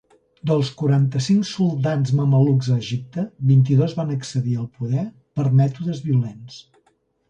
Dels quaranta-cinc soldans mamelucs a Egipte, vint-i-dos van accedir al poder per mètodes violents.